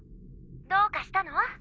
どうかしたの？